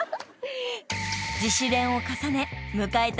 ［自主練を重ね迎えた